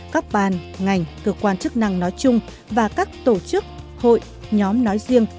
các ban ngành cơ quan chức năng nói chung và các tổ chức hội nhóm nói riêng